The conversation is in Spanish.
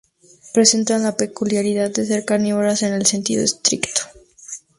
Presentan la peculiaridad de ser carnívoras en el sentido estricto.